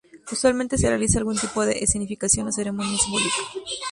Usualmente se realiza algún tipo de escenificación o ceremonia simbólica.